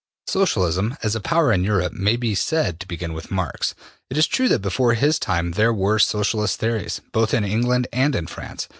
Socialism as a power in Europe may be said to begin with Marx. It is true that before his time there were Socialist theories, both in England and in France.